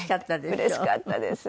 うれしかったです。